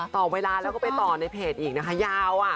ต่อเวลาแล้วก็ไปต่อในเพจอีกนะคะยาว